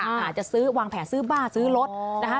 อาจจะซื้อวางแผนซื้อบ้าซื้อรถนะคะ